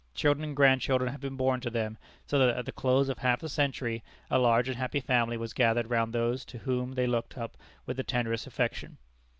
Children and grandchildren had been born to them, so that at the close of half a century a large and happy family was gathered round those to whom they looked up with the tenderest affection.